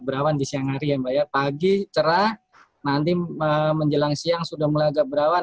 berawan di siang hari ya mbak ya pagi cerah nanti menjelang siang sudah mulai agak berawan